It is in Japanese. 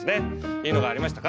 いいのがありましたか？